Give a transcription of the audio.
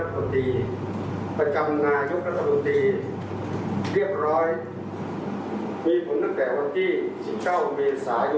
คุณดรเศรษฐกลผลักษาวงศ์ได้ยื่นนังสือลาออกจากตำแหน่งคุณช่วยรัฐบริษฐ์ประจำนายุครัฐบริษฐ์เรียบร้อย